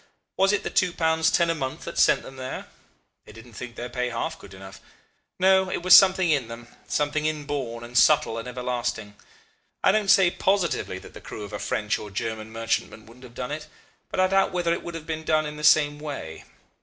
Was it the two pounds ten a month that sent them there? They didn't think their pay half good enough. No; it was something in them, something inborn and subtle and everlasting. I don't say positively that the crew of a French or German merchantman wouldn't have done it, but I doubt whether it would have been done in the same way.